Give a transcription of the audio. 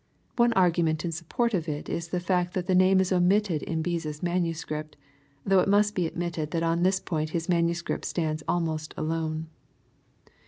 One argument in support of it is the fact that the name is omitted in Beza*s manuscript^ though it must be admitted that on this point his manuscript stands almost alone.